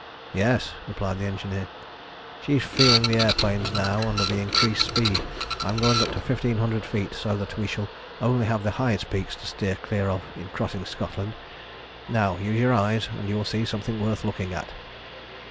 "Yes," replied the engineer. "She is feeling the air planes now under the increased speed. I am going up to fifteen hundred feet, so that we shall only have the highest peaks to steer clear of in crossing Scotland. Now, use your eyes, and you will see something worth looking at."